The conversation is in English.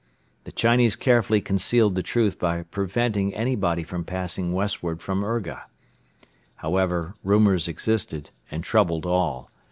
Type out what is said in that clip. The Chinese carefully concealed the truth by preventing anybody from passing westward from Urga. However, rumours existed and troubled all.